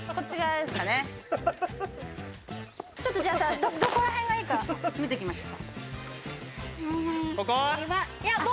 ちょっと、どこらへんがいいか見てみましょう。